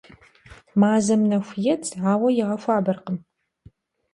Mazem nexu yêdz, aue yiğexuaberkhım.